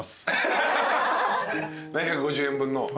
７５０円分の？